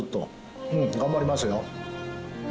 うん頑張りますよ！